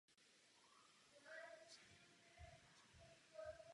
V době amerického vylodění na Guadalcanalu měly japonské lodě nedostatek paliva.